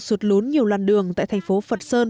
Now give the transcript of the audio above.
sụt lún nhiều làn đường tại thành phố phật sơn